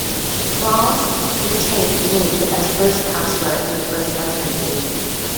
Grant retained Lund as first counselor in the First Presidency.